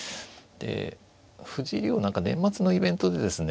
で藤井竜王何か年末のイベントでですね